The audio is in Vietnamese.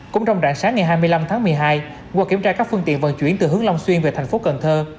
cũng trong rạng sáng ngày hai mươi năm tháng một mươi hai qua kiểm tra các phương tiện vận chuyển từ hướng long xuyên về thành phố cần thơ